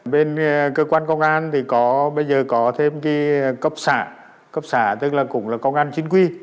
bên cơ quan công an thì có bây giờ có thêm cái cấp xã cấp xã tức là cũng là công an chính quy